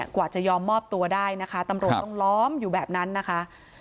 กว่าจะยอมมอบตัวได้นะคะตำรวจต้องล้อมอยู่แบบนั้นนะคะ